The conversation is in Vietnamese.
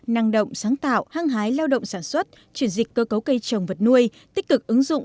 năng động sáng tạo hăng hái lao động sản xuất chuyển dịch cơ cấu cây trồng vật nuôi tích cực ứng dụng